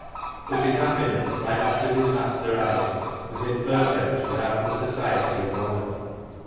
But his happiness, like that of his master Adam, was imperfect without the society of woman.